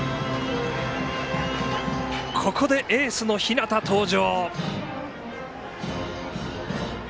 ここでエースの日當、登場。